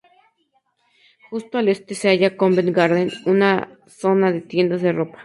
Justo al este se halla Covent Garden, una zona de tiendas de ropa.